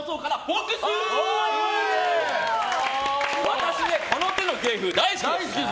私ね、この手の芸風大好きです。